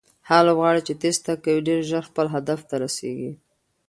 هغه لوبغاړی چې تېز تګ کوي ډېر ژر خپل هدف ته رسیږي.